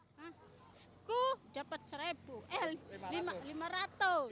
aku dapat seribu